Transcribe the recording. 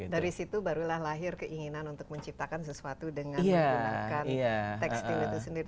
dari situ barulah lahir keinginan untuk menciptakan sesuatu dengan menggunakan tekstil itu sendiri